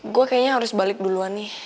gue kayaknya harus balik duluan nih